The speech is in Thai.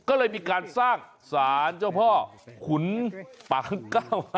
ก็เลยมีการสร้างสารเจ้าพ่อขุนปางเก้า